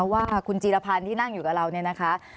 ว่าคุณจีรพันธ์ที่นั่งอยู่กับเราเนี่ยนะคะ